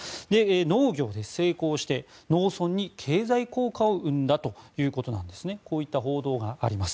農業で成功して農村に経済効果を生んだというこういった報道があります。